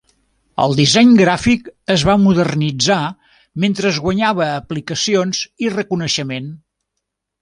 El disseny gràfic es va modernitzar mentre guanyava aplicacions i reconeixement.